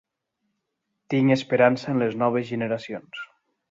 Tinc esperança en les noves generacions.